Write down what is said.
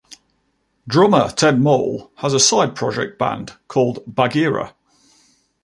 Drummer Ted Moll has a side project band called Bagheera.